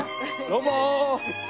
どうも！